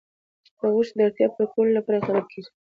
د غوښې د اړتیاوو پوره کولو لپاره اقدامات کېږي.